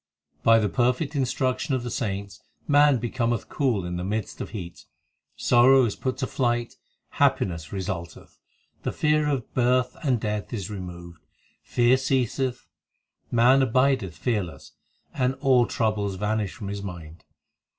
7 By the perfect instruction of the saints, Man becometh cool in the midst of heat ; Sorrow is put to flight, happiness resulteth, The fear of birth and death is removed, Fear ceaseth, man abideth fearless, And all troubles vanish from his mind.